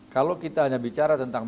kalau kita hanya bicara tentang